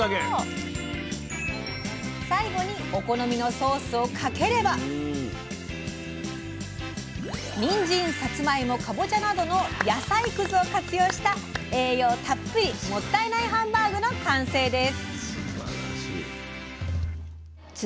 最後にお好みのソースをかければにんじん、さつまいもかぼちゃなどの野菜くずを活用した栄養たっぷり「もったいないハンバーグ」の完成です。